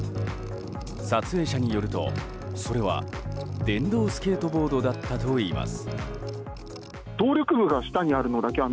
撮影者によるとそれは電動スケートボードだったといいます。